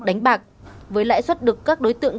đánh bạc với lãi suất được các đối tượng